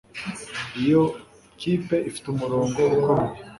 iyo kipe ifite umurongo ukomeye